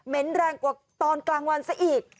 แรงกว่าตอนกลางวันซะอีก